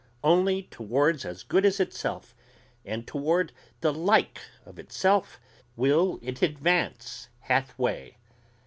Only towards as good as itself and toward the like of itself will it advance half way.